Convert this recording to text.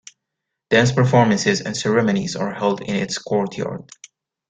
Dance performances and ceremonies are held in its courtyard.